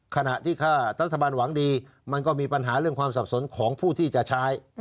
ขณะที่ถ้ารัฐบาลหวังดีมันก็มีปัญหาเรื่องความสับสนของผู้ที่จะใช้